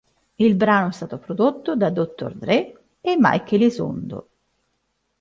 Il brano è stato prodotto da Dr. Dre e Mike Elizondo.